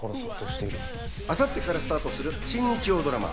明後日からスタートする新日曜ドラマ